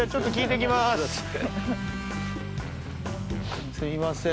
すみません